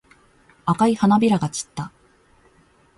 赤い花びらが散った。